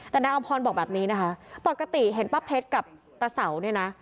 แต่นายอำพรบอกแบบนี้นะคะปกติเห็นป้าเพชรกับตาเสาเนี่ยนะ